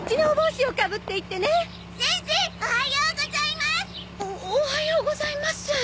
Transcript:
おおはようございます。